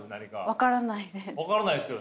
分からないです。